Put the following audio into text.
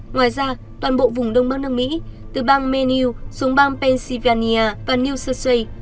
ngoài ra toàn bộ vùng đông bắc nước mỹ từ bang manilu xuống bang pennsylvania và new south wales